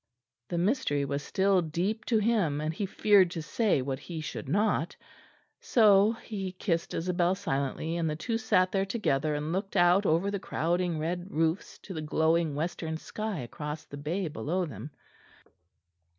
The mystery was still deep to him; and he feared to say what he should not; so he kissed Isabel silently; and the two sat there together and looked out over the crowding red roofs to the glowing western sky across the bay below them.